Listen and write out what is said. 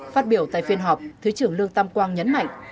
phát biểu tại phiên họp thứ trưởng lương tam quang nhấn mạnh